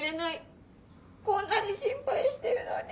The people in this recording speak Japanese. こんなに心配してるのに。